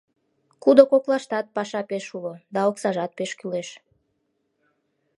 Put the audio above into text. Кудо коклаштат паша пеш уло, да оксажат пеш кӱлеш.